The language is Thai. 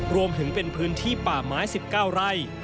รวมถึงเป็นพื้นที่ป่าไม้๑๙ไร่